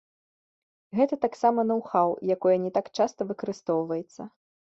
Гэта таксама ноў-хаў, якое не так часта выкарыстоўваецца.